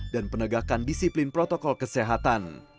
dan penegakan disiplin protokol kesehatan